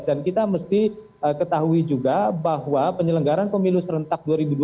dan kita mesti ketahui juga bahwa penyelenggaran pemilu serentak dua ribu dua puluh empat